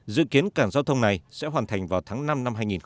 dự kiến cảng giao thông này sẽ hoàn thành vào tháng năm năm hai nghìn một mươi tám